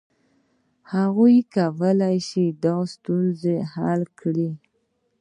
هغوی کولای شول دا ستونزه حل کړي.